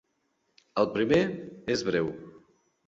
El primer és breu.